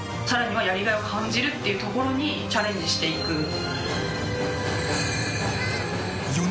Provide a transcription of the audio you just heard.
更にはやりがいを感じるってところにチャレンジしていく。